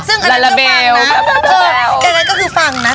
ซึ่งอันนั้นก็ฟังนะแบบนั้นก็ฟังนะ